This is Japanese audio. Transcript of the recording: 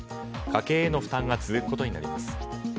家計への負担が続くことになります。